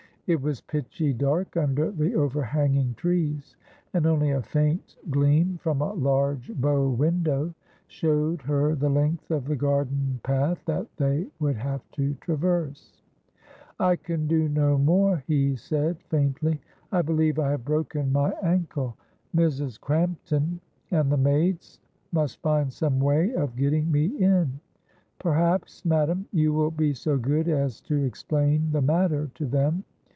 It was pitchy dark under the overhanging trees, and only a faint gleam from a large bow window showed her the length of the garden path that they would have to traverse. "I can do no more," he said, faintly; "I believe I have broken my ankle. Mrs. Crampton and the maids must find some way of getting me in. Perhaps, madam, you will be so good as to explain the matter to them.